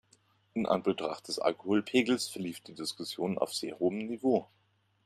In Anbetracht des Alkoholpegels verlief die Diskussion auf sehr hohem Niveau.